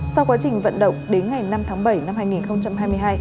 sau quá trình vận động đến ngày năm tháng bảy năm hai nghìn hai mươi hai